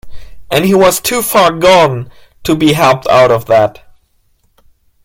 And he was too far gone to be helped out of that.